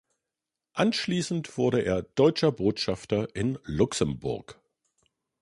Anschließend wurde er Deutscher Botschafter in Luxemburg.